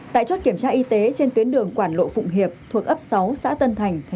tại chốt kiểm tra y tế trên tuyến đường quản lộ phụng hiệp thuộc ấp sáu xã tân thành